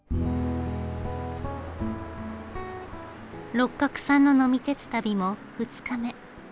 六角さんの呑み鉄旅も二日目。